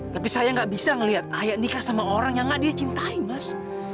tapi saya nggak bisa melihat ayah nikah sama orang yang gak dia cintai mas